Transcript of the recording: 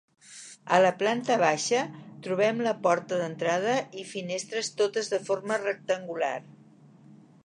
A la planta baixa trobem la porta d'entrada i finestres, totes de forma rectangular.